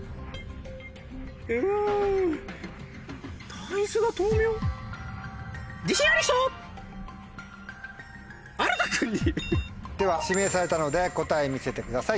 大豆が豆苗？では指名されたので答え見せてください。